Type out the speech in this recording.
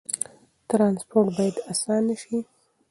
ترانسپورت باید اسانه شي.